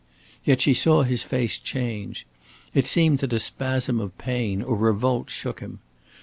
Yet she saw his face change. It seemed that a spasm of pain or revolt shook him.